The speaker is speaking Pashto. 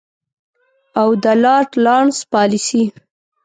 او د لارډ لارنس پالیسي.